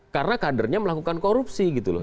karena kadernya melakukan korupsi gitu loh